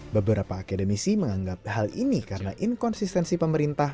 beberapa akademisi menganggap hal ini karena inkonsistensi pemerintah